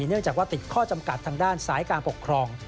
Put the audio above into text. เนื่องจากว่าติดข้อจำกัดทางด้านสายการปกครอง